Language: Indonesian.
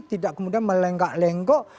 tidak kemudian melenggak lenggok